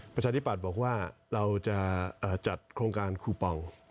ประชาธิปัตย์บอกว่าเราจะจัดโครงการคูปอง